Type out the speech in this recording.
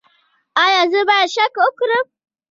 ایا زه باید شک وکړم؟